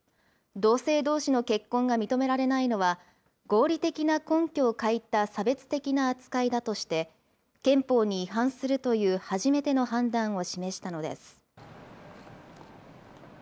同性どうしの結婚が認められないのは、合理的な根拠を欠いた差別的な扱いだとして、憲法に違反するという初めての判断を示したのです。